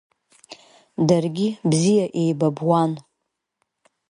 Даргьы бзиа еибабуан.